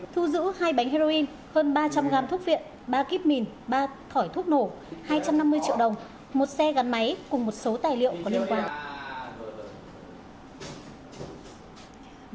thu giữ hai bánh heroin hơn ba trăm linh gam thuốc viện ba kíp mìn ba thỏi thuốc nổ hai trăm năm mươi triệu đồng một xe gắn máy cùng một số tài liệu có liên quan